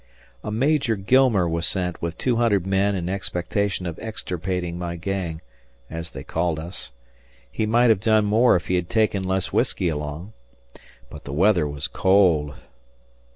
A Major Gilmer was sent with 200 men in expectation of extirpating my gang as they called us. He might have done more if he had taken less whiskey along. But the weather was cold!